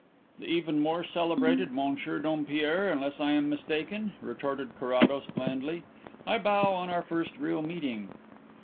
"The even more celebrated Monsieur Dompierre, unless I am mistaken?" retorted Carrados blandly. "I bow on our first real meeting."